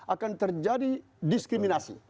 akan terjadi diskriminasi